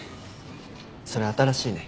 それ新しいね。